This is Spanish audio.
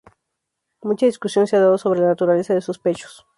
Mucha discusión se ha dado sobre la naturaleza de sus pechos.